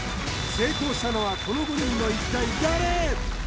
成功したのはこの５人の一体誰！？